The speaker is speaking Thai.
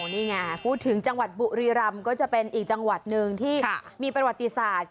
นี่ไงพูดถึงจังหวัดบุรีรำก็จะเป็นอีกจังหวัดหนึ่งที่มีประวัติศาสตร์